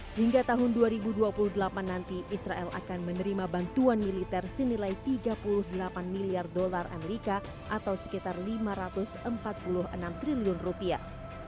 hingga tahun dua ribu dua puluh delapan nanti israel akan menerima bantuan militer senilai tiga puluh delapan miliar dolar amerika atau sekitar lima ratus empat puluh enam triliun rupiah